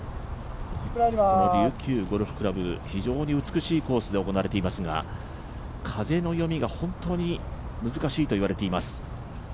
琉球ゴルフ倶楽部、非常に美しいコースで行われておりますが、風の読みが本当に難しいといわれています。